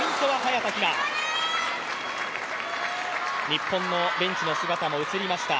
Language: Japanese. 日本のベンチの姿も映りました。